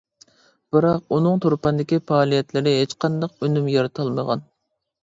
بىراق ئۇنىڭ تۇرپاندىكى پائالىيەتلىرى ھېچقانداق ئۈنۈم يارىتالمىغان.